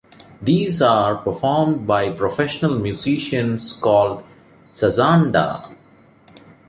These are performed by professional musicians called "sazanda".